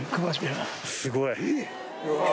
すごい。